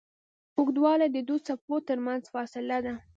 اوږدوالی د دوو څپو تر منځ فاصله ده.